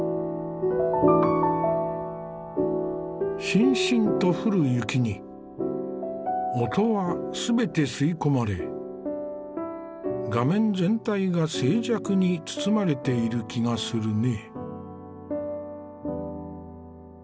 しんしんと降る雪に音は全て吸い込まれ画面全体が静寂に包まれている気がするね。